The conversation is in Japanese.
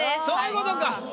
そういうことか。